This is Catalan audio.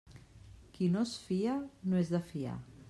Qui no es fia no és de fiar.